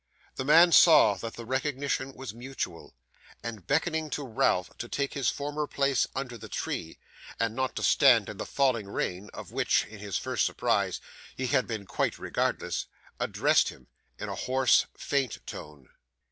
The man saw that the recognition was mutual, and beckoning to Ralph to take his former place under the tree, and not to stand in the falling rain, of which, in his first surprise, he had been quite regardless, addressed him in a hoarse, faint tone.